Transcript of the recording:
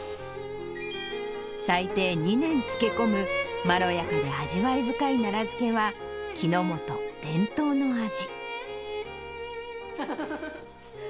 最低２年漬け込む、まろやかで味わい深い奈良漬けは、木之本伝統の味。